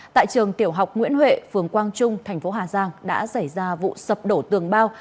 tại trường tiểu học nguyễn huệ phường quang trung thành phố hà giang đã xảy ra vụ sập đổ tường bao